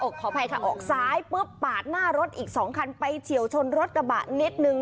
ขออภัยค่ะออกซ้ายปุ๊บปาดหน้ารถอีก๒คันไปเฉียวชนรถกระบะนิดนึง